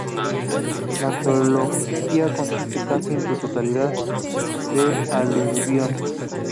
La geología consiste casi en su totalidad de aluvión.